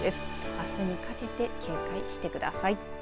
あすにかけて警戒してください。